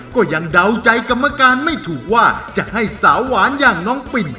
ก็ยังเดาใจกรรมการไม่ถูกว่าจะให้สาวหวานอย่างน้องปิน